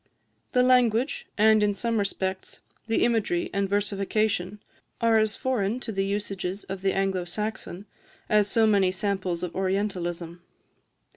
The language, and, in some respects, the imagery and versification, are as foreign to the usages of the Anglo Saxon as so many samples of Orientalism.